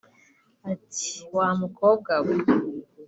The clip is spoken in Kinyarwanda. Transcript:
Ati “Wa mukobwa we